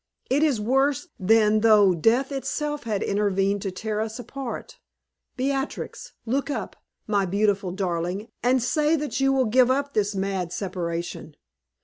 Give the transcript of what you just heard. It is worse than though death itself had intervened to tear us apart. Beatrix, look up, my beautiful darling, and say that you will give up this mad separation.